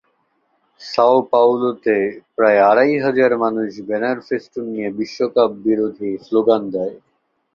Sao পাওলোতে প্রায় আড়াই হাজার মানুষ ব্যানার-ফেস্টুন নিয়ে বিশ্বকাপবিরোধী স্লোগান দেয়।